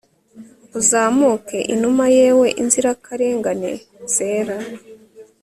Uzamuke inuma yewe inzirakarengane zera